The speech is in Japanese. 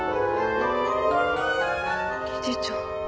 理事長。